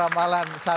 namar tiga pak jokowi